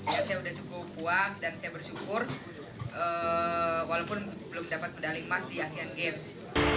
saya sudah cukup puas dan saya bersyukur walaupun belum dapat medali emas di asean games